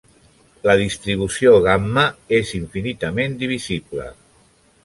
La distribució gamma és infinitament divisible.